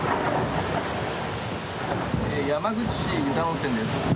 山口市湯田温泉です。